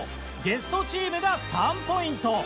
ゲストチームが３ポイント。